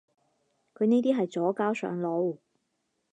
佢呢啲係左膠上腦